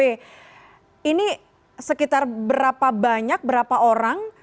ini sekitar berapa banyak berapa orang